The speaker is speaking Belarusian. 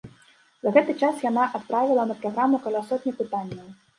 За гэты час яна адправіла на праграму каля сотні пытанняў.